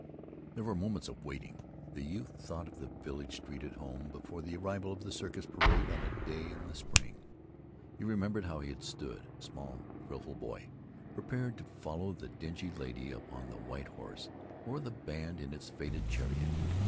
There were moments of waiting. The youth thought of the village street at home before the arrival of the circus parade on a day in the spring. He remembered how he had stood, a small, thrillful boy, prepared to follow the dingy lady upon the white horse, or the band in its faded chariot.